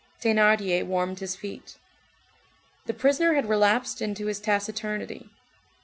Thénardier warmed his feet. The prisoner had relapsed into his taciturnity.